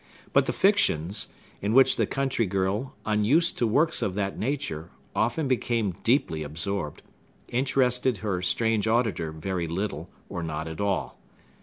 But the fictions—in which the country girl, unused to works of that nature, often became deeply absorbed—interested her strange auditor very little, or not at all.